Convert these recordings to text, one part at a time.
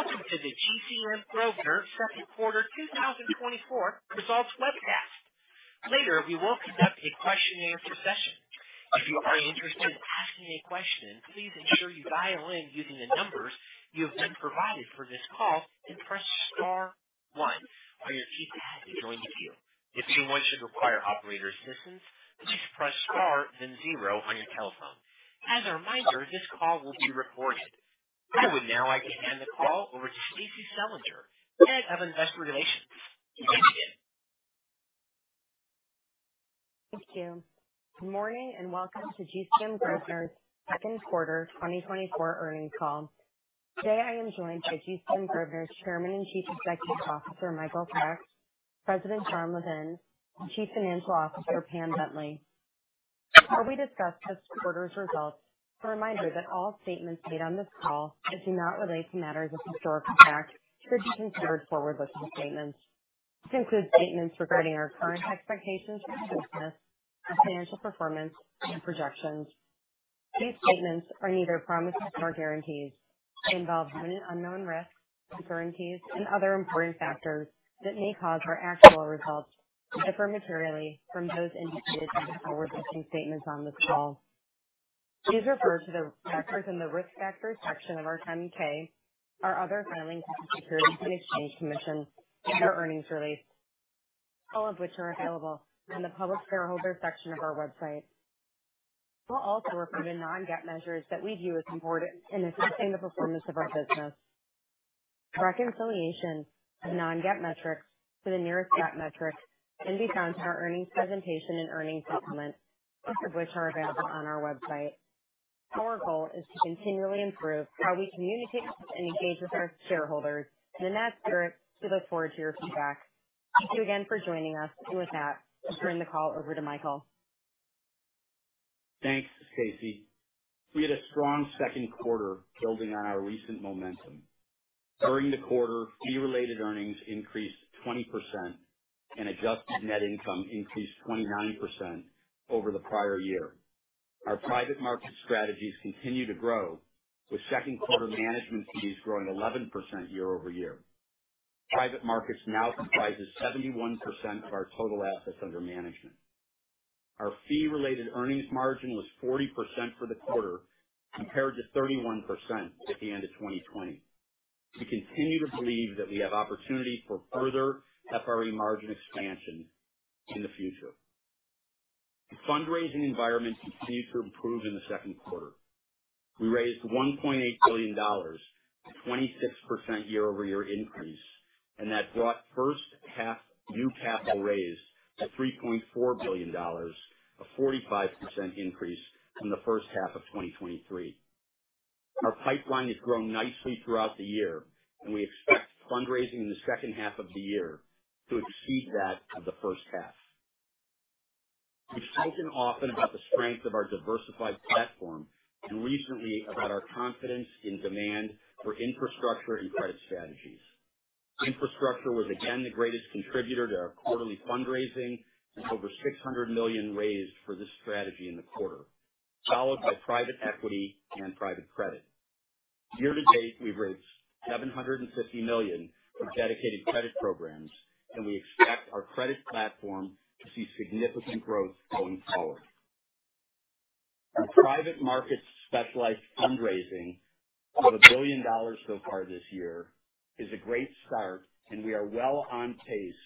Today, you're welcome to the GCM Grosvenor Second Quarter 2024 Results Webcast. Later, we will conduct a question-and-answer session. If you are interested in asking a question, please ensure you dial in using the numbers you have been provided for this call and press star one on your keypad to join the queue. If you wish to require operator assistance, please press star then zero on your telephone. As a reminder, this call will be recorded. I would now like to hand the call over to Stacie Selinger, Head of Investor Relations. Thank you. Thank you. Good morning and welcome to GCM Grosvenor Second Quarter 2024 Earnings Call. Today, I am joined by GCM Grosvenor's Chairman and Chief Executive Officer Michael Sacks, President Jon Levin, and Chief Financial Officer Pam Bentley. Before we discuss this quarter's results, a reminder that all statements made on this call do not relate to matters of historical fact should be considered forward-looking statements. This includes statements regarding our current expectations for business, financial performance, and projections. These statements are neither promises nor guarantees. They involve unknown risks, securities, and other important factors that may cause our actual results to differ materially from those indicated in the forward-looking statements on this call. These refer to the factors in the risk factors section of our 10-K or other filings with the Securities and Exchange Commission and to our earnings release, all of which are available in the public shareholder section of our website. All of our non-GAAP measures that we view as important in the sustainable business of our business. The reconciliation of non-GAAP metrics to the nearest GAAP metrics can be found in our earnings presentation and earnings document, both of which are available on our website. Our goal is to continually improve how we communicate and engage with our shareholders in an accurate and forward-looking fashion. Thank you again for joining us. With that, I'll turn the call over to Michael. Thanks, Stacie. We had a strong second quarter building on our recent momentum. During the quarter, fee-related earnings increased 20% and adjusted net income increased 29% over the prior year. Our private market strategies continue to grow, with second-quarter management fees growing 11% year-over-year. Private markets now comprise 71% of our total assets under management. Our fee-related earnings margin was 40% for the quarter, compared to 31% at the end of 2020. We continue to believe that we have opportunity for further FRE margin expansion in the future. The fundraising environment continued to improve in the second quarter. We raised $1.8 billion, a 26% year-over-year increase, and that brought first-half new capital raised to $3.4 billion, a 45% increase from the first half of 2023. Our pipeline has grown nicely throughout the year, and we expect fundraising in the second half of the year to exceed that of the first half. We've spoken often about the strength of our diversified platform and recently about our confidence in demand for infrastructure and credit strategies. Infrastructure was again the greatest contributor to our quarterly fundraising with over $600 million raised for this strategy in the quarter, followed by private equity and private credit. Year to date, we've raised $750 million from dedicated credit programs, and we expect our credit platform to see significant growth going forward. Our private markets specialized fundraising of $1 billion so far this year is a great start, and we are well on pace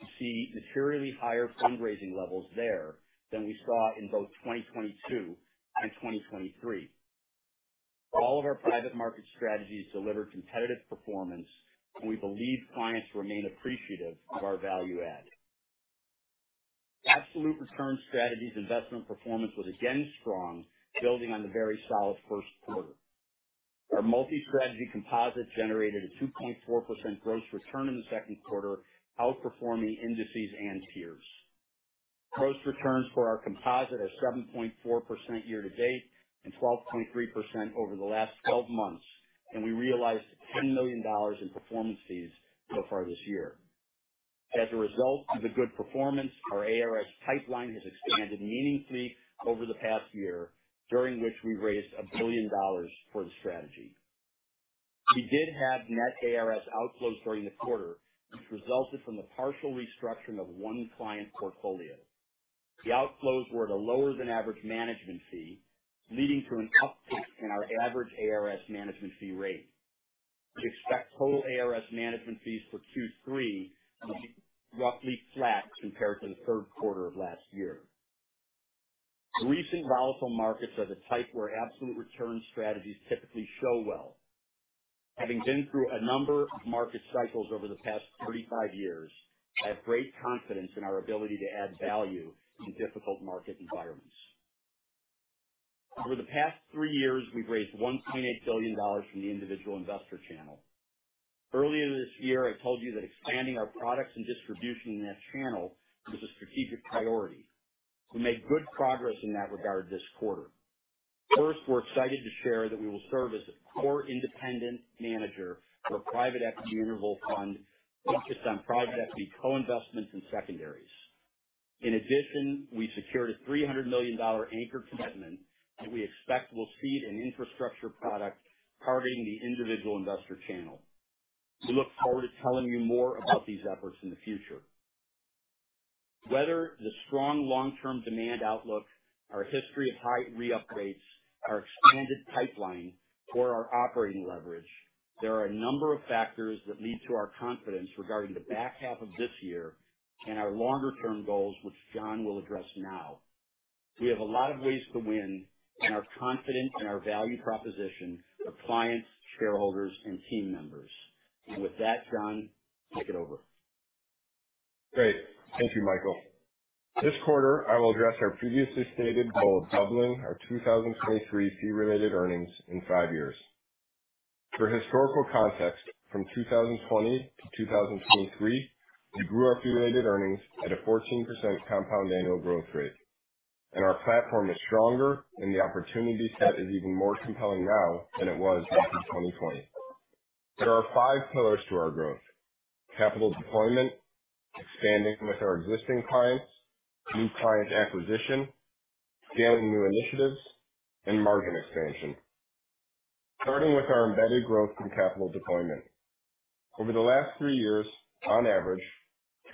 to see materially higher fundraising levels there than we saw in both 2022 and 2023. All of our private market strategies delivered competitive performance, and we believe clients remain appreciative of our value-add. Absolute Return Strategies' investment performance was again strong, building on the very solid first quarter. Our Multi-Strategy Composite generated a 2.4% gross return in the second quarter, outperforming indices and peers. Gross returns for our composite are 7.4% year to date and 12.3% over the last 12 months, and we realized $10 million in performance fees so far this year. As a result of the good performance, our ARS pipeline has expanded meaningfully over the past year, during which we raised $1 billion for the strategy. We did have net ARS outflows during the quarter, which resulted from the partial restructuring of one client portfolio. The outflows were at a lower-than-average management fee, leading to an uptick in our average ARS management fee rate. We expect total ARS management fees for Q3 to be roughly flat compared to the third quarter of last year. The recent volatile markets are the type where absolute return strategies typically show well. Having been through a number of market cycles over the past 35 years, I have great confidence in our ability to add value in difficult market environments. Over the past three years, we've raised $1.8 billion from the individual investor channel. Earlier this year, I told you that expanding our products and distribution in that channel was a strategic priority. We made good progress in that regard this quarter. First, we're excited to share that we will serve as a core independent manager for a private equity interval fund focused on private equity co-investments and secondaries. In addition, we secured a $300 million anchor commitment that we expect will feed an infrastructure product targeting the individual investor channel. We look forward to telling you more about these efforts in the future. Whether the strong long-term demand outlook, our history of high re-up rates, our expanded pipeline, or our operating leverage, there are a number of factors that lead to our confidence regarding the back half of this year and our longer-term goals, which Jon will address now. We have a lot of ways to win in our confidence in our value proposition of clients, shareholders, and team members. And with that, Jon, take it over. Great. Thank you, Michael. This quarter, I will address our previously stated goal of doubling our 2023 fee-related earnings in five years. For historical context, from 2020 to 2023, we grew our fee-related earnings at a 14% compound annual growth rate, and our platform is stronger, and the opportunity set is even more compelling now than it was in 2020. There are five pillars to our growth: capital deployment, expanding with our existing clients, new client acquisition, scaling new initiatives, and margin expansion. Starting with our embedded growth and capital deployment. Over the last three years, on average,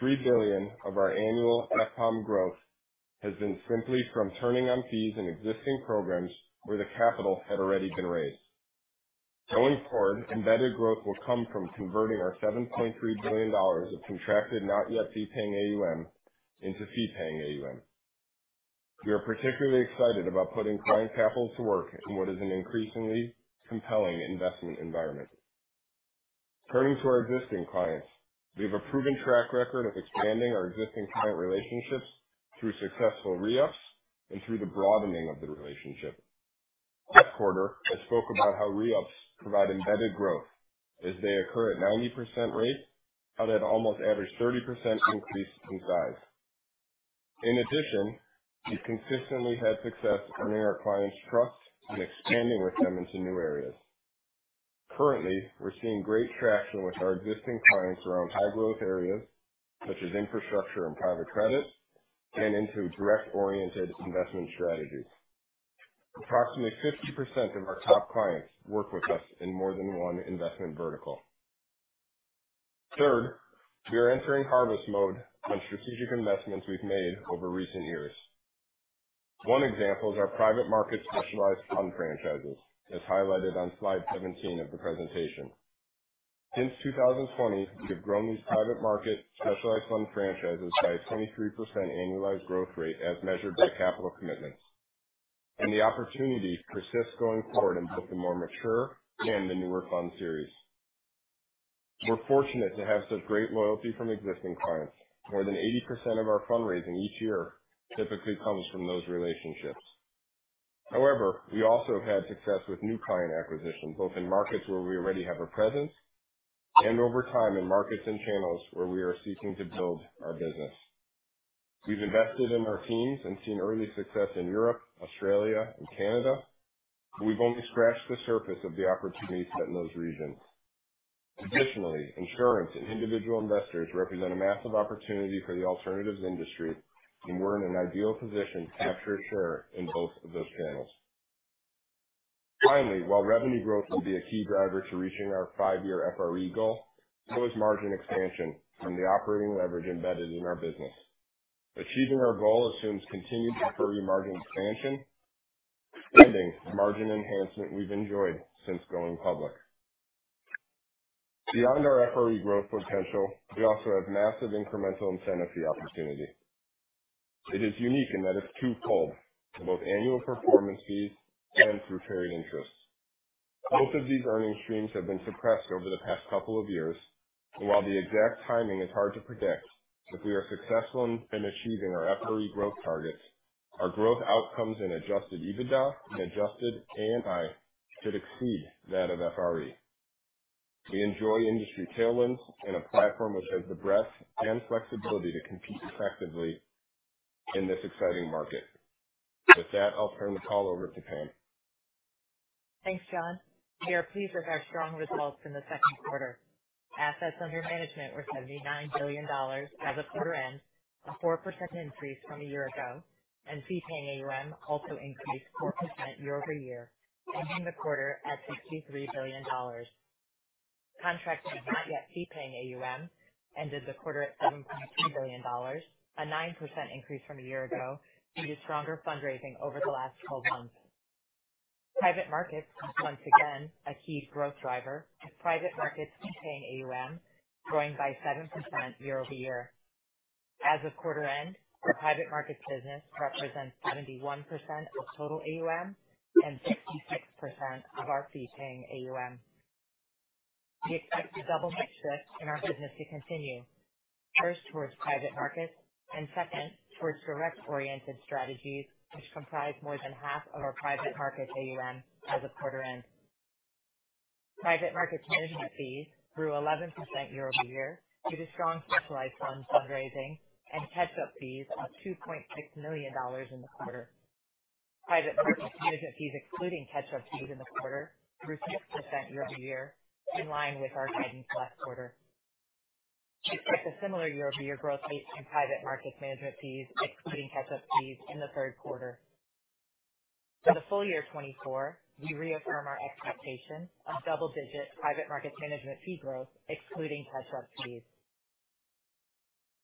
$3 billion of our annual FPAUM growth has been simply from turning on fees in existing programs where the capital had already been raised. Going forward, embedded growth will come from converting our $7.3 billion of contracted not-yet fee-paying AUM into fee-paying AUM. We are particularly excited about putting client capital to work in what is an increasingly compelling investment environment. Turning to our existing clients, we have a proven track record of expanding our existing client relationships through successful re-ups and through the broadening of the relationship. That quarter, I spoke about how re-ups provide embedded growth as they occur at a 90% rate, but at almost average 30% increase in size. In addition, we've consistently had success in earning our clients' trust and expanding with them into new areas. Currently, we're seeing great traction with our existing clients around high-growth areas such as infrastructure and private credit and into direct-oriented investment strategies. Approximately 50% of our top clients work with us in more than one investment vertical. Third, we are entering harvest mode on strategic investments we've made over recent years. One example is our private market specialized fund franchises, as highlighted on slide 17 of the presentation. Since 2020, we have grown these private market specialized fund franchises by a 23% annualized growth rate as measured by capital commitments, and the opportunity persists going forward in both the more mature and the newer fund series. We're fortunate to have such great loyalty from existing clients. More than 80% of our fundraising each year typically comes from those relationships. However, we also have had success with new client acquisition, both in markets where we already have a presence and over time in markets and channels where we are seeking to build our business. We've invested in our teams and seen early success in Europe, Australia, and Canada, but we've only scratched the surface of the opportunity set in those regions. Additionally, insurance and individual investors represent a massive opportunity for the alternatives industry, and we're in an ideal position to capture a share in both of those channels. Finally, while revenue growth will be a key driver to reaching our five-year FRE goal, so is margin expansion from the operating leverage embedded in our business. Achieving our goal assumes continued FRE margin expansion, sustaining margin enhancement we've enjoyed since going public. Beyond our FRE growth potential, we also have massive incremental incentive fee opportunity. It is unique in that it's two-fold: both annual performance fees and through carried interests. Both of these earnings streams have been suppressed over the past couple of years, and while the exact timing is hard to predict, if we are successful in achieving our FRE growth targets, our growth outcomes in adjusted EBITDA and adjusted ANI should exceed that of FRE. We enjoy industry tailwinds and a platform which has the breadth and flexibility to compete effectively in this exciting market. With that, I'll turn the call over to Pam. Thanks, Jon. We are pleased with our strong results in the second quarter. Assets under management were $79 billion as of quarter end, a 4% increase from a year ago, and fee-paying AUM also increased 4% year-over-year, ending the quarter at $63 billion. Contracted not-yet fee-paying AUM ended the quarter at $7.3 billion, a 9% increase from a year ago, due to stronger fundraising over the last 12 months. Private markets are once again a key growth driver, with private markets fee-paying AUM growing by 7% year-over-year. As of quarter end, our private market business represents 71% of total AUM and 66% of our fee-paying AUM. The expected double-head shift in our business to continue is first towards private markets and second towards direct-oriented strategies, which comprise more than half of our private markets AUM as of quarter end. Private markets management fees grew 11% year-over-year due to strong specialized funds fundraising and catch-up fees of $2.6 million in the quarter. Private markets management fees excluding catch-up fees in the quarter grew 6% year-over-year, in line with our segment last quarter. We expect a similar year-over-year growth rate in private markets management fees excluding catch-up fees in the third quarter. For the full year 2024, we reaffirm our expectation of double-digit private markets management fee growth excluding catch-up fees.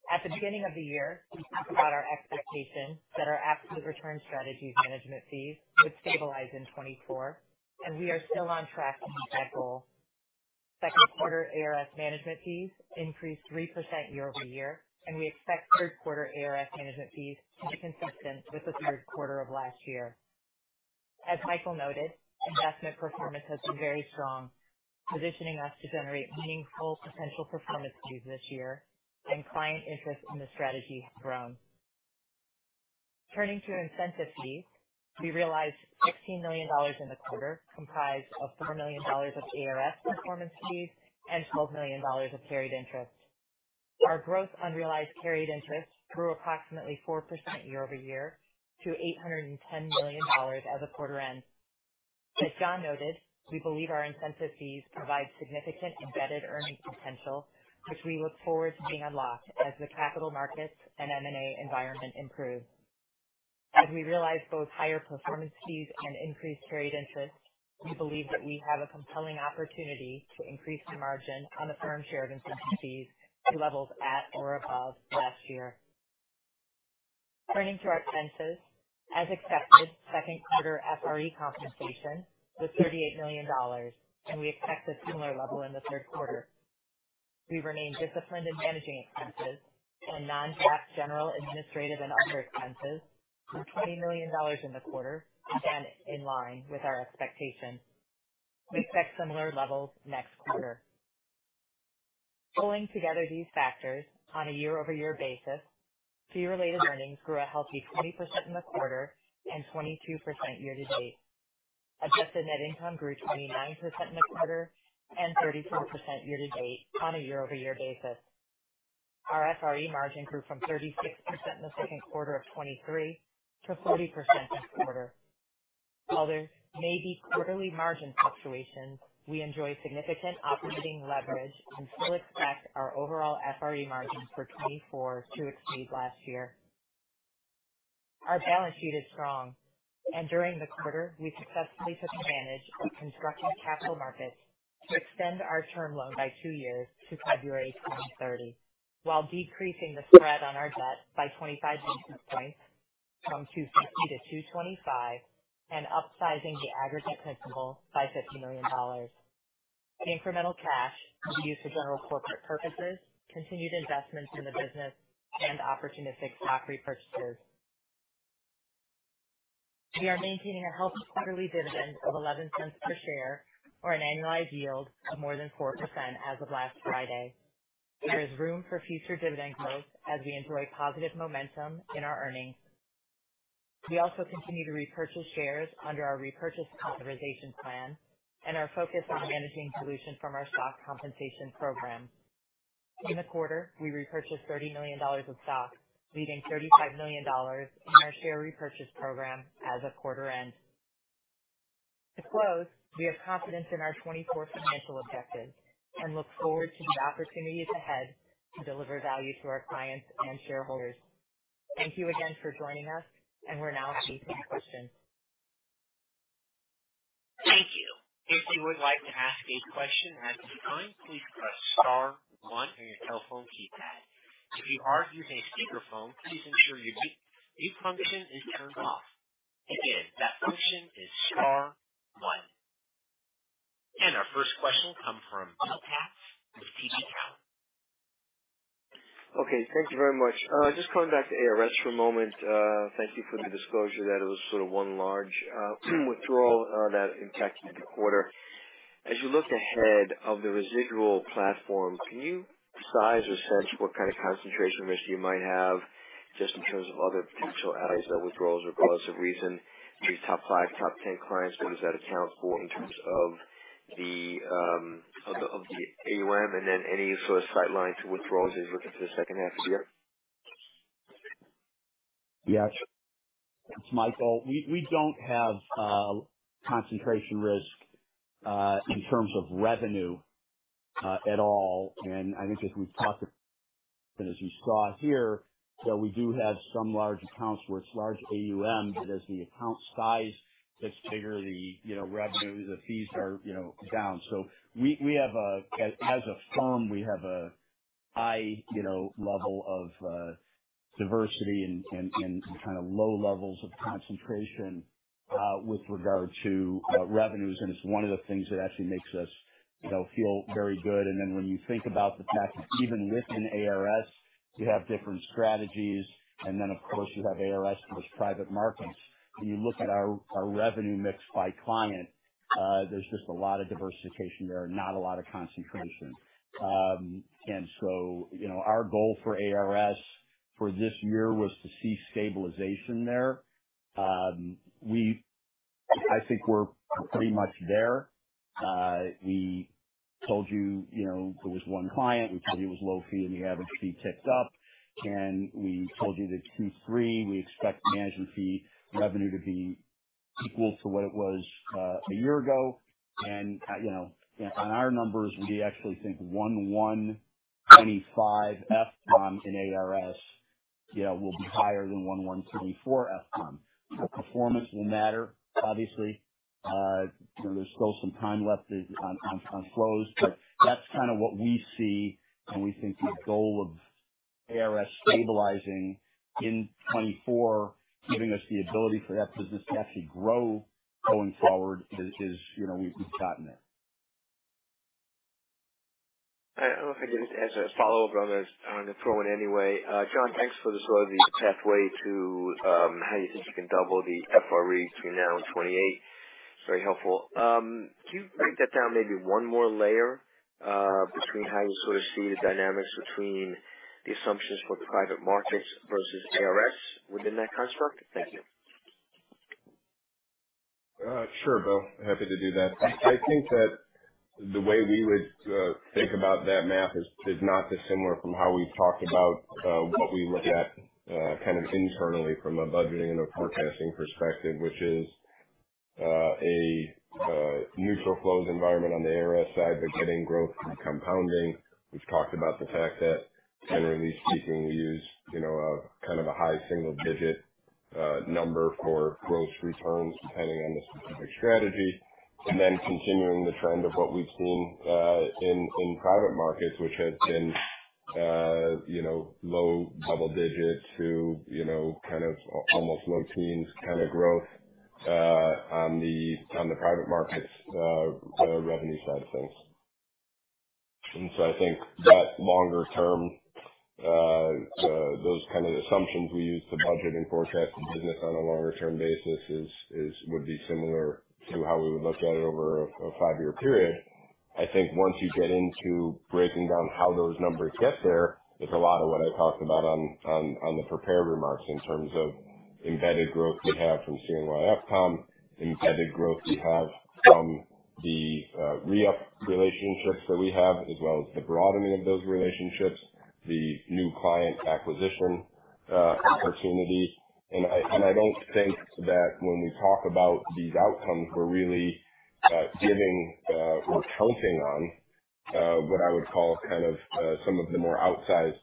At the beginning of the year, we have brought our expectation that our absolute return strategies management fees would stabilize in 2024, and we are still on track to meet that goal. Second quarter ARS management fees increased 3% year-over-year, and we expect third quarter ARS management fees to be consistent with the third quarter of last year. As Michael noted, investment performance has been very strong, positioning us to generate meaningful potential performance fees this year, and client interest in the strategy has grown. Turning to incentive fees, we realized $16 million in the quarter comprised of $4 million of ARS performance fees and $12 million of carried interest. Our unrealized carried interest grew approximately 4% year-over-year to $810 million as of quarter-end. As Jon noted, we believe our incentive fees provide significant embedded earnings potential, which we look forward to being unlocked as the capital markets and M&A environment improve. As we realize both higher performance fees and increased carried interest, we believe that we have a compelling opportunity to increase the margin on the firm's share of incentive fees to levels at or above last year. Turning to our expenses, as expected, second quarter FRE compensation was $38 million, and we expect a similar level in the third quarter. We remain disciplined in managing expenses and non-tax general administrative and other expenses, $20 million in the quarter, again in line with our expectation. We expect similar levels next quarter. Pulling together these factors on a year-over-year basis, fee-related earnings grew a healthy 20% in the quarter and 22% year to date. Adjusted net income grew 29% in the quarter and 34% year to date on a year-over-year basis. Our FRE margin grew from 36% in the second quarter of 2023 to 40% this quarter. While there may be quarterly margin fluctuations, we enjoy significant operating leverage and still expect our overall FRE margin for 2024 to exceed last year. Our balance sheet is strong, and during the quarter, we successfully took advantage of constructive capital markets to extend our term loan by two years to February 2030, while decreasing the spread on our debt by 25 basis points from 250 to 225 and upsizing the aggregate principal by $50 million. The incremental cash was used for general corporate purposes, continued investments in the business, and opportunistic stock repurchases. We are maintaining a healthy quarterly dividend of $0.11 per share for an annualized yield of more than 4% as of last Friday. There is room for future dividend growth as we enjoy positive momentum in our earnings. We also continue to repurchase shares under our repurchase compensation plan and our focus on managing dilution from our stock compensation program. In the quarter, we repurchased $30 million of stock, leaving $35 million in our share repurchase program as of quarter end. To close, we have confidence in our 2024 financial objectives and look forward to the opportunities ahead to deliver value to our clients and shareholders. Thank you again for joining us, and we're now seeing questions. Thank you. If you would like to ask a question at this time, please press star one on your telephone keypad. If you are using a speakerphone, please ensure your mute function is turned off. Again, that function is star one. Our first question will come from Bill Katz with TD Cowen. Okay. Thank you very much. Just coming back to ARS for a moment, thank you for the disclosure that it was sort of one large withdrawal that impacted the quarter. As you look ahead of the residual platform, can you size or sense what kind of concentration risk you might have just in terms of other potential areas of withdrawals or cause of reason? The top five, top ten clients, what does that account for in terms of the AUM and then any sort of sight lines withdrawals as you look at the second half of the year? Yes. It's Michael. We don't have concentration risk in terms of revenue at all. And I think as we've talked about, as you saw here, that we do have some large accounts where it's large AUM, but as the account size gets bigger, the revenue, the fees are down. So we have a, as a firm, we have a high level of diversity and kind of low levels of concentration with regard to revenues. And it's one of the things that actually makes us feel very good. And then when you think about the fact that even within ARS, you have different strategies, and then of course you have ARS plus private markets. When you look at our revenue mix by client, there's just a lot of diversification there and not a lot of concentration. And so our goal for ARS for this year was to see stabilization there. I think we're pretty much there. We told you there was one client, we told you it was low fee and the average fee ticked up. We told you that Q3 we expect management fee revenue to be equal to what it was a year ago. On our numbers, we actually think 1/1 2025 FPAUM in ARS will be higher than 1/1 2024 FPAUM. Performance will matter, obviously. There's still some time left on flows, but that's kind of what we see. We think the goal of ARS stabilizing in 2024, giving us the ability for that business to actually grow going forward, is we've gotten there. I guess as a follow-up on the quote anyway, Jon, thanks for this way of pathway to how you think you can double the FRE between now and 2028. It's very helpful. Can you break that down maybe one more layer between how you sort of see the dynamics between the assumptions for private markets versus ARS within that construct? Thank you. Sure, Bill. Happy to do that. I think that the way we would think about that math is not dissimilar from how we've talked about what we look at kind of internally from a budgeting and a forecasting perspective, which is a neutral flows environment on the ARS side, but getting growth from compounding. We've talked about the fact that generally speaking, we use kind of a high single-digit number for gross returns depending on the specific strategy. And then continuing the trend of what we've seen in private markets, which has been low double digit to kind of almost low teens kind of growth on the private markets revenue side of things. So I think that longer term, those kind of assumptions we use to budget and forecast the business on a longer term basis would be similar to how we would look at it over a five-year period. I think once you get into breaking down how those numbers get there, it's a lot of what I talked about on the prepared remarks in terms of embedded growth we have from CNYFPAUM, embedded growth we have from the re-up relationships that we have, as well as the broadening of those relationships, the new client acquisition opportunity. I don't think that when we talk about these outcomes, we're really giving or counting on what I would call kind of some of the more outsized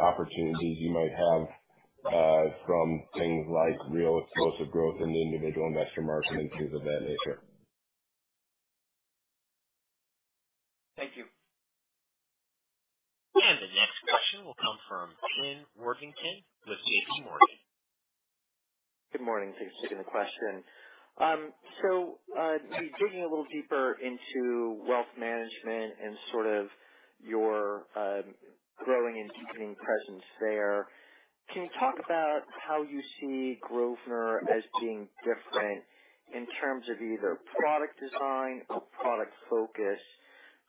opportunities you might have from things like real explosive growth in the individual investor market and things of that nature. Thank you. And the next question will come from Ken Worthington with JPMorgan. Good morning. Thanks for taking the question. So digging a little deeper into wealth management and sort of your growing and deepening presence there, can you talk about how you see Grosvenor as being different in terms of either product design or product focus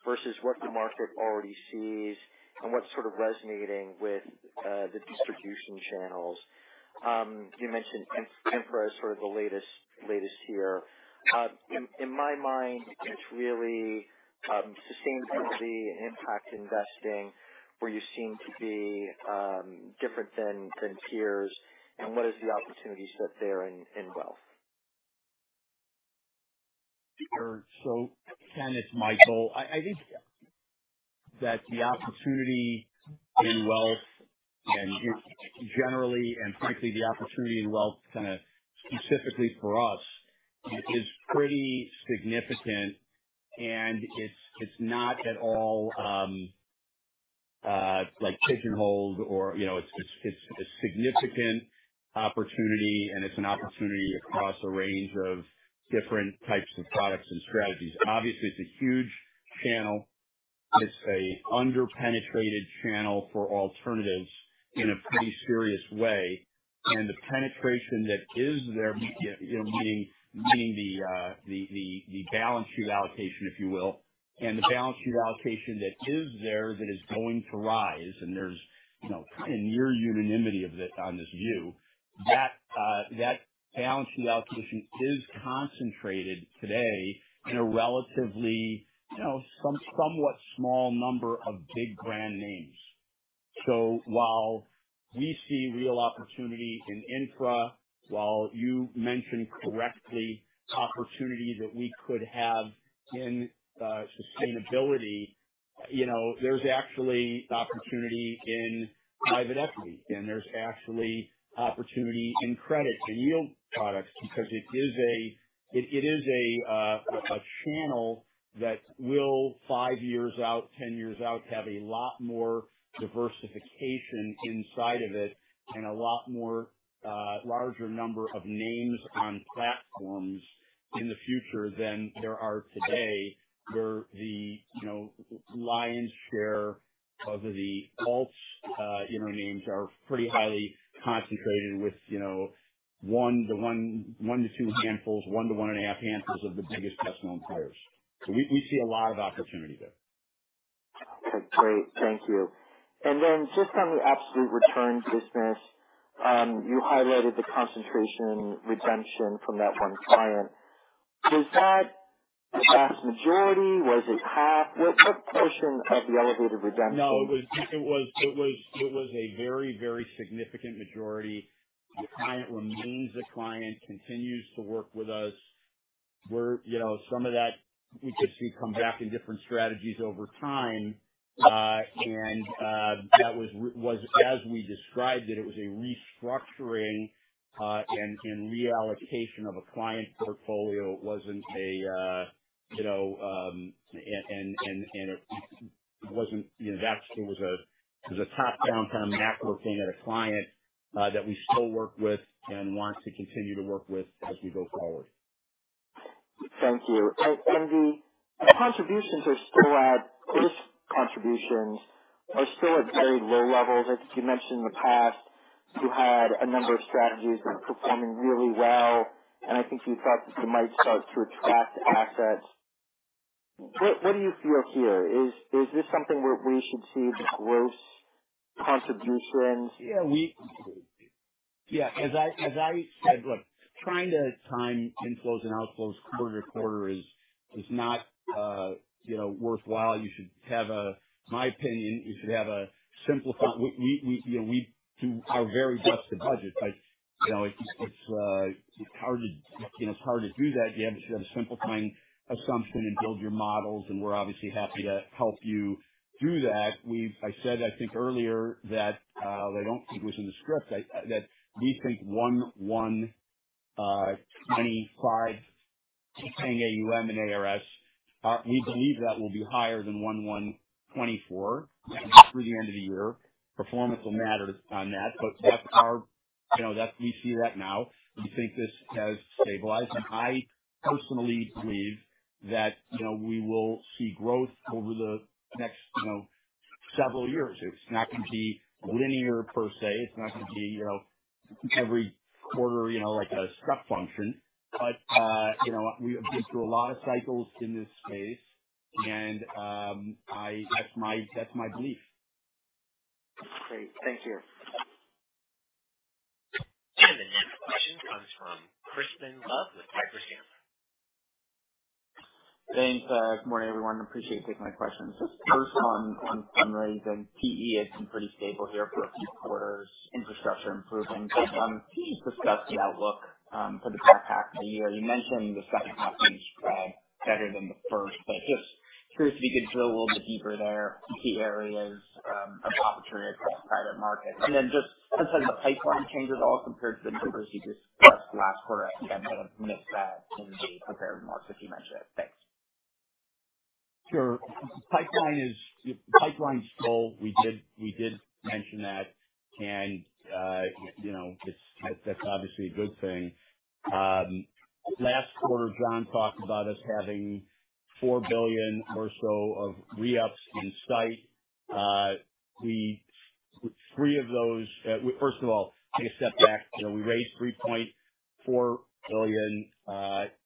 versus what the market already sees and what's sort of resonating with the distribution channels? You mentioned ESG, sort of the latest year. In my mind, it's really sustainability and impact investing where you seem to be different than peers. And what is the opportunity set there in wealth? Sure. So again, it's Michael. I think that the opportunity in wealth, and generally, and frankly, the opportunity in wealth kind of specifically for us, is pretty significant. It's not at all like pigeonholed or it's a significant opportunity, and it's an opportunity across a range of different types of products and strategies. Obviously, it's a huge channel. It's an under-penetrated channel for alternatives in a pretty serious way. The penetration that is there, meaning the balance sheet allocation, if you will, and the balance sheet allocation that is there that is going to rise, and there's kind of near unanimity of it on this view, that balance sheet allocation is concentrated today in a relatively somewhat small number of big brand names. So while we see real opportunity in infra, while you mentioned correctly the opportunity that we could have in sustainability, there's actually opportunity in private equity, and there's actually opportunity in credit and yield products because it is a channel that will, five years out, 10 years out, have a lot more diversification inside of it and a lot more larger number of names on platforms in the future than there are today. The lion's share of the alts names are pretty highly concentrated with one to two handfuls, one to one and a half handfuls of the biggest best-known players. So we see a lot of opportunity there. Okay. Great. Thank you. And then just on the absolute returns business, you highlighted the concentration redemption from that one client. Is that the vast majority? Was it half? What's the portion of the elevated redemption? No, it was a very, very significant majority. The client remains a client, continues to work with us. Some of that we could see comes back in different strategies over time. And that was, as we described it, it was a restructuring and reallocation of a client portfolio. It wasn't a, and it wasn't, it was a top-down kind of macro thing at a client that we still work with and want to continue to work with as we go forward. Thank you. The contributions are still at, those contributions are still at very low levels. I think you mentioned in the past you had a number of strategies that are performing really well. I think you thought that you might start to attract assets. What do you feel here? Is this something where we should see the gross contributions? Yeah. As I said, look, trying to time inflows and outflows quarter to quarter is not worthwhile. You should have a, in my opinion, you should have a simplified, we do our very best to budget, but it's hard to do that. You have to have a simplifying assumption and build your models. And we're obviously happy to help you do that. I said, I think earlier that I don't think it was in the script, that we think 1/1 2025 FPAUM in ARS, we believe that will be higher than 2024 through the end of the year. Performance will matter on that. But we see that now. We think this has stabilized. And I personally believe that we will see growth over the next several years. It's not going to be linear per se. It's not going to be every quarter like a step function. But we have been through a lot of cycles in this space. And that's my belief. Great. Thank you. And the next question comes from Crispin Love with Piper Sandler. Thganks and good morning, everyone. Appreciate taking my questions. First on fundraising, PE has been pretty stable here for a few quarters. Infrastructure improving based on discussed outlook for the second half of the year. You mentioned the second half seems better than the first, but I guess curious if you could drill a little bit deeper there, key areas of opportunity across private markets. And then just outside of the pipeline changes all compared to the diversity discussed last quarter, and kind of mix that into the prepared remarks that you mentioned. Thanks. Sure. Pipeline is still, we did mention that. And that's obviously a good thing. Last quarter, Jon talked about us having $4 billion or so of re-ups in sight. Three of those, first of all, take a step back. We raised $3.4 billion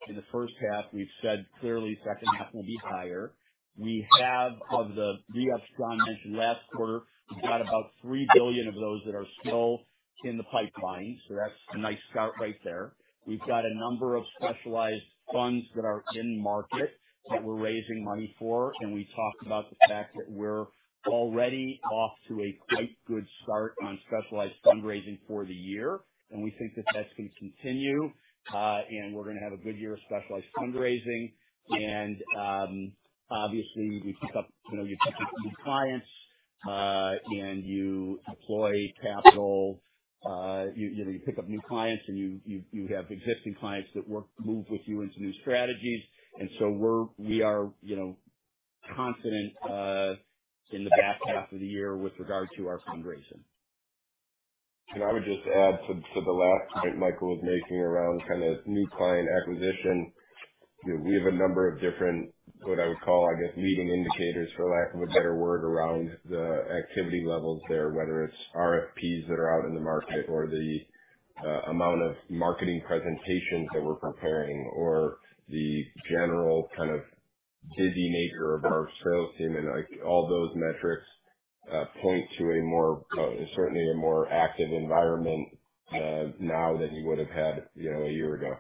in the first half. We've said clearly the second half will be higher. We have of the re-ups Jon mentioned last quarter, we've got about $3 billion of those that are still in the pipeline. So that's a nice start right there. We've got a number of specialized funds that are in market that we're raising money for. And we talk about the fact that we're already off to a good start on specialized fundraising for the year. And we think that that's going to continue. And we're going to have a good year of specialized fundraising. Obviously, you pick up your clients and you deploy capital. You pick up new clients and you have existing clients that move with you into new strategies. And so we are confident in the back half of the year with regard to our fundraising. And I would just add to the last point Michael was making around kind of new client acquisition. We have a number of different, what I would call, I guess, leading indicators, for lack of a better word, around the activity levels there, whether it's RFPs that are out in the market or the amount of marketing presentations that we're preparing or the general kind of busy nature of our sales team. And all those metrics point to a more, certainly a more active environment now than you would have had a year ago.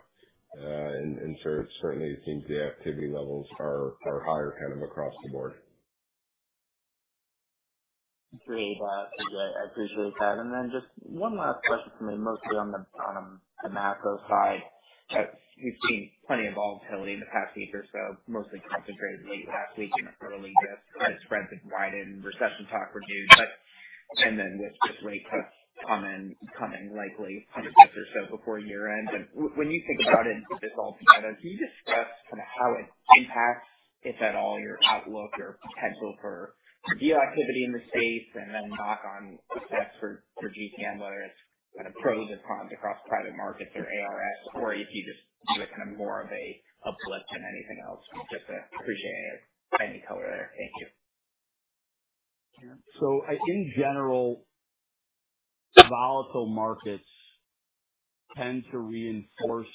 And certainly, it seems the activity levels are higher kind of across the board. Great. I appreciate that. Just one last question for me, mostly on the macro side. You've seen plenty of volatility in the past week or so, mostly trying to trade the staging up early debt, spreads widened, recession talk reduced, and then with rate cuts coming likely just before year-end. When you think about it, this all together, can you discuss kind of how it impacts, if at all, your outlook, your potential for deal activity in the states and then knock-on effects for GCM, whether it's kind of pros and cons across private markets or ARS, or if you just see it kind of more of a blip than anything else. Just appreciate it. Thank you for the color. Thank you. So in general, volatile markets tend to reinforce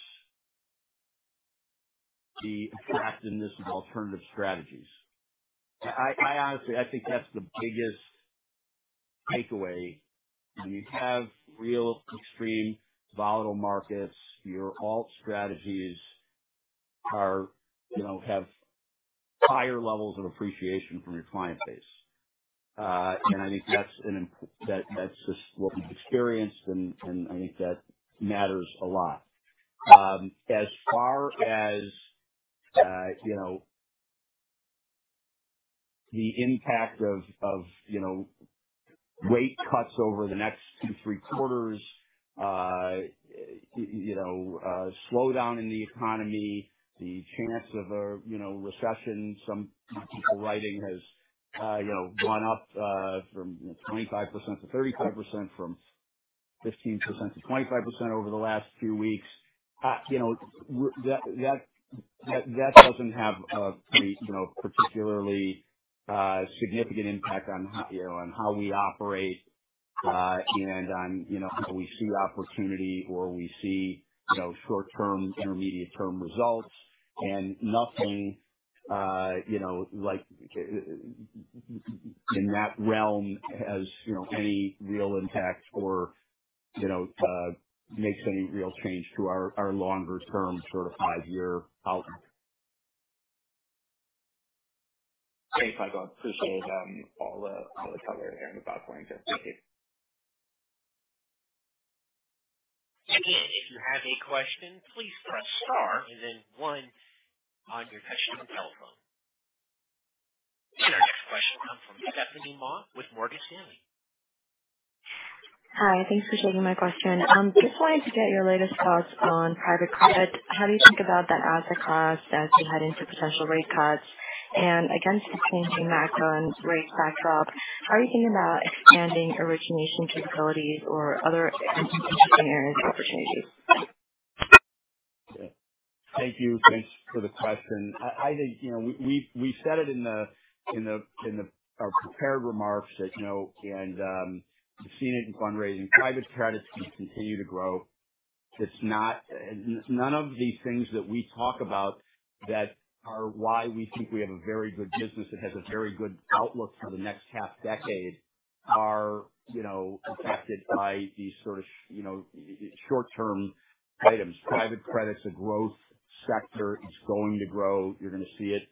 the attractiveness of alternative strategies. I honestly, I think that's the biggest takeaway. When you have real extreme volatile markets, your alt strategies have higher levels of appreciation from your client base. And I think that's just what we've experienced, and I think that matters a lot. As far as the impact of rate cuts over the next two, there quarters, slowdown in the economy, the chance of a recession, some people writing has gone up from 25%-35%, from 15%-25% over the last few weeks. That doesn't have any particularly significant impact on how we operate and on how we see opportunity or we see short-term, intermediate-term results. And nothing in that realm has any real impact or makes any real change to our longer-term, sort of five-year outlook. Thanks, Michael. Appreciate all the coverage here on the balance of the week. If you have a question, please press star and then one on your touchscreen telephone. Our next question comes from Stephanie Ma with Morgan Stanley. Hi. Thanks for sharing my question. Just wanted to get your latest thoughts on private credit. How do you think about that asset class as we head into potential rate cuts? And against the changing macro rate backdrop, how are you thinking about expanding origination capabilities or other entrepreneurial opportunities? Thank you. Thanks for the question. We said it in our prepared remarks that. And you've seen it in fundraising. Private Credit is going to continue to grow. None of these things that we talk about that are why we think we have a very good business that has a very good outlook for the next half-decade are affected by these sort of short-term items. Private Credit's a growth sector. It's going to grow. You're going to see it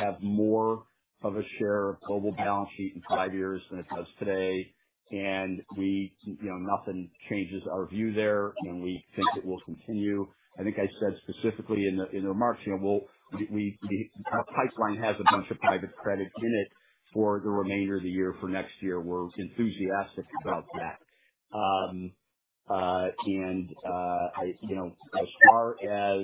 have more of a share of global balance sheet in five years than it does today. And nothing changes our view there, and we think it will continue. I think I said specifically in the remarks, our pipeline has a bunch of Private Credit in it for the remainder of the year for next year. We're enthusiastic about that. As far as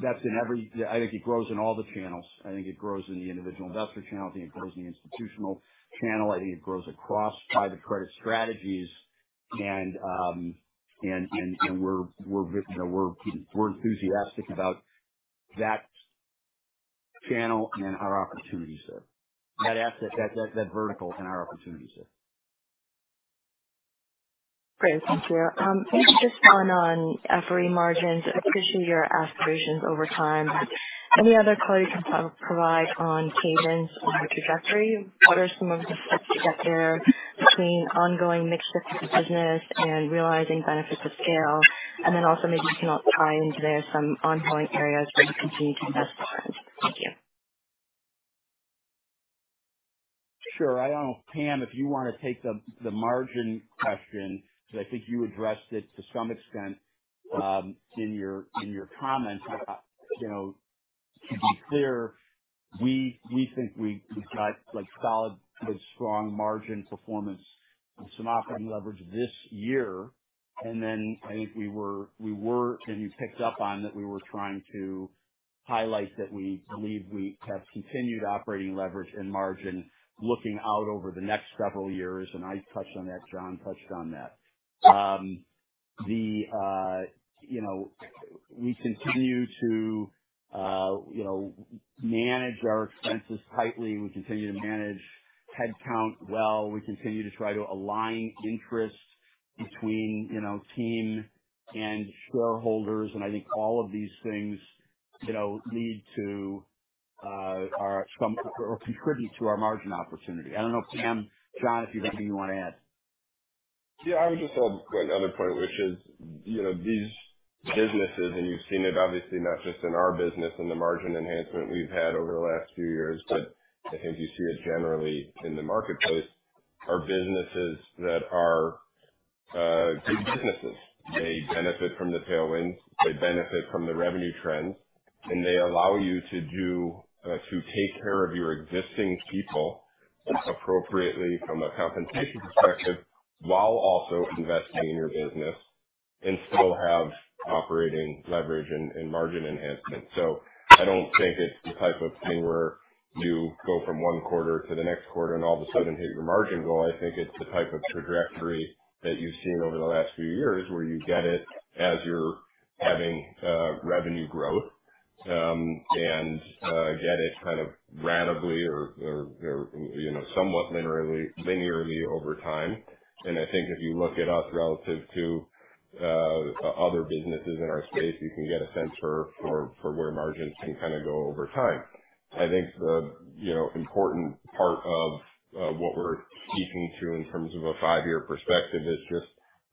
that's in every, I think it grows in all the channels. I think it grows in the individual investor channel. I think it grows in the institutional channel. I think it grows across private credit strategies. We're enthusiastic about that channel and our opportunities there. That vertical and our opportunities there. Great. Thank you. Just one on FRE margins. I appreciate your observations over time. Any other clues you can provide on cadence or the trajectory? What are some of the shifts to get there between ongoing mixed business and realizing benefits of scale? And then also maybe you can tie into there some ongoing areas where you continue to invest in. Thank you. Sure. Pam, if you want to take the margin question, because I think you addressed it to some extent in your comments, to be clear, we think we've got solid, strong margin performance with some operating leverage this year. And then I think we were, and you picked up on that we were trying to highlight that we believe we have continued operating leverage and margin looking out over the next several years. And I touched on that. Jon touched on that. We continue to manage our expenses tightly. We continue to manage headcount well. We continue to try to align interest between team and shareholders. And I think all of these things lead to or contribute to our margin opportunity. I don't know if Pam, Jon, if you have anything you want to add. Yeah. I would just add another point, which is these businesses, and you've seen it obviously, not just in our business and the margin enhancement we've had over the last few years, but I think you see it generally in the marketplace. Our businesses that are good businesses, they benefit from the tailwinds. They benefit from the revenue trends. And they allow you to take care of your existing people appropriately from a compensation perspective while also investing in your business and still have operating leverage and margin enhancement. So I don't think it's the type of thing where you go from one quarter to the next quarter and all of a sudden hit your margin goal. I think it's the type of trajectory that you've seen over the last few years where you get it as you're having revenue growth and get it kind of randomly or somewhat linearly over time. I think if you look it up relative to other businesses in our state, you can get a sense for where margins can kind of go over time. I think the important part of what we're speaking to in terms of a five-year perspective is just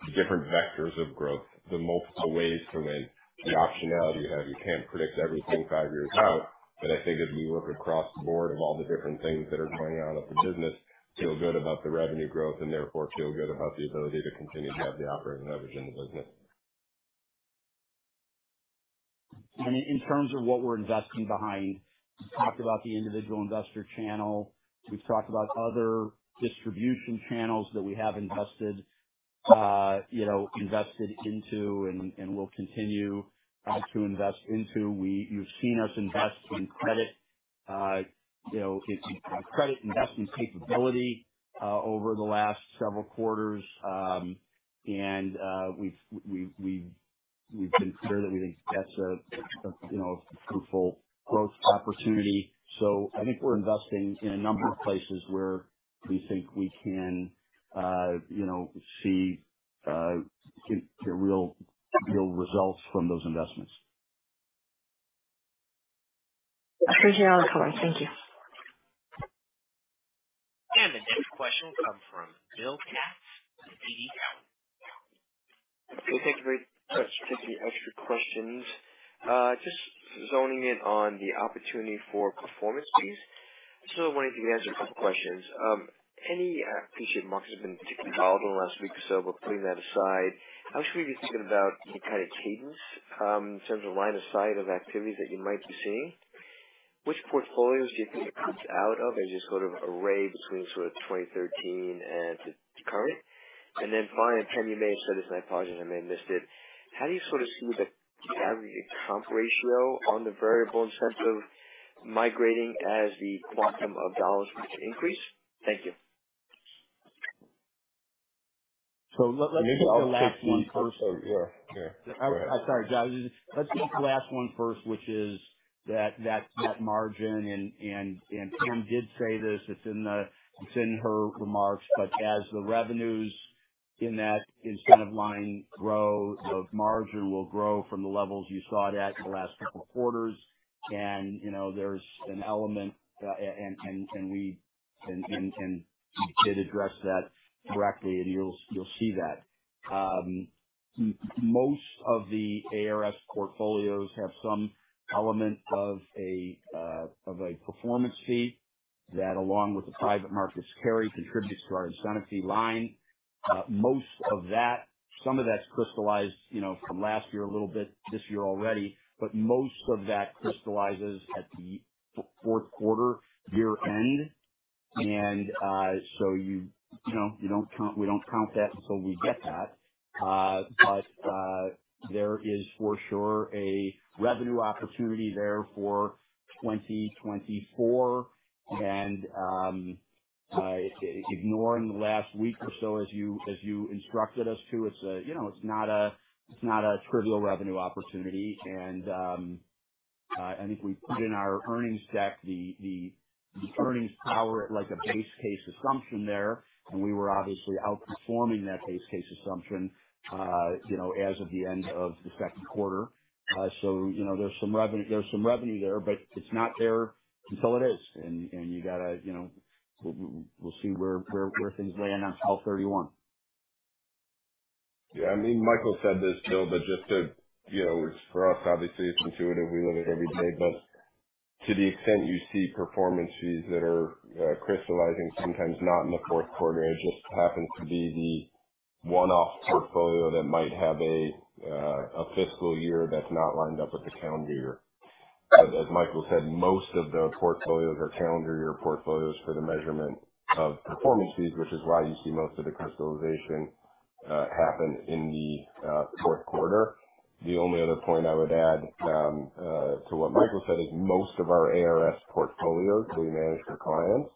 the different vectors of growth, the multiple ways to win. The optionality you have, you can't predict everything five years out. I think if you look across the board of all the different things that are going on at the business, feel good about the revenue growth and therefore feel good about the ability to continue to have the operating leverage in the business. In terms of what we're investing behind, we've talked about the individual investor channel. We've talked about other distribution channels that we have invested into and will continue to invest into. You've seen us invest in credit investment capability over the last several quarters. We've been clear that we think that's a fruitful growth opportunity. I think we're investing in a number of places where we think we can see real results from those investments. Appreciate all the color. Thank you. The next question comes from Bill Katz at TD Cowen. Thank you very much for taking the extra questions. Just zeroing in on the opportunity for performance piece. So I wanted to answer a couple of questions. Any appreciated markets have been involved in the last week or so, but putting that aside, how should we be thinking about the kind of cadence in terms of line of sight of activities that you might be seeing? Which portfolios do you think it comes out of? I just sort of arrayed between sort of 2013 and current. And then finally, Pam, you may have said this, and I apologize, I may have missed it. How do you sort of see the average account ratio on the variable incentive migrating as the quantum of dollars needs to increase? Thank you. So let's take the last one first. Let's take the last one first, which is that margin. And Pam did say this. It's in her remarks. But as the revenues in that incentive line grow, the margin will grow from the levels you saw it at in the last couple of quarters. And there's an element, and can we address that directly, and you'll see that. Most of the ARS portfolios have some element of a performance fee that, along with the private markets, carry, contribute to our incentive fee line. Most of that, some of that's crystallized from last year a little bit this year already, but most of that crystallizes at the fourth quarter year-end. And so we don't count that until we get that. But there is for sure a revenue opportunity there for 2024. And ignoring the last week or so, as you instructed us to, it's not a trivial revenue opportunity. I think we put in our earnings deck the earnings power at like a base case assumption there. We were obviously outperforming that base case assumption as of the end of the second quarter. So there's some revenue there, but it's not there until it is. And you got to we'll see where things land on 12/31. Yeah. I mean, Michael said this, Bill, but just to, for us, obviously, it's intuitive. We live it every day. But to the extent you see performance fees that are crystallizing, sometimes not in the fourth quarter, it just happens to be the one-off portfolio that might have a fiscal year that's not lined up with the calendar year. As Michael said, most of the portfolios are calendar year portfolios for the measurement of performance fees, which is why you see most of the crystallization happen in the fourth quarter. The only other point I would add to what Michael said is most of our ARS portfolios that we manage for clients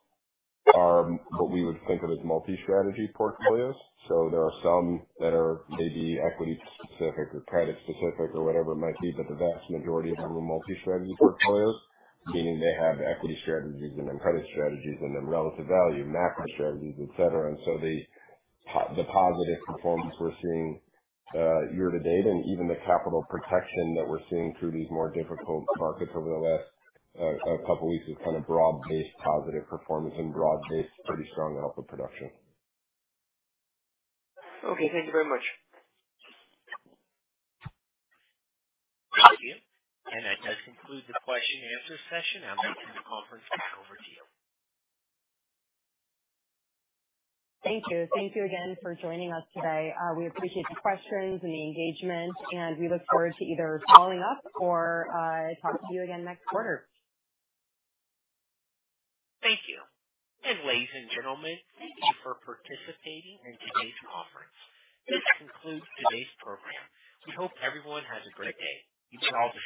are what we would think of as multi-strategy portfolios. So there are some that are maybe equity-specific or credit-specific or whatever it might be, but the vast majority of them are multi-strategy portfolios, meaning they have equity strategies and then credit strategies and then relative value, macro strategies, etc. And so the positive performance we're seeing year to date and even the capital protection that we're seeing through these more difficult markets over the last couple of weeks is kind of broad-based positive performance and broad-based pretty strong output production. Okay. Thank you very much. Thank you. That does conclude the question-and-answer session. I'm making the conference back over to you. Thank you. Thank you again for joining us today. We appreciate the questions and the engagement, and we look forward to either following up or talking to you again next quarter. Thank you. Ladies and gentlemen, thank you for participating in today's conference. This concludes today's program. We hope everyone has a great day. You too all.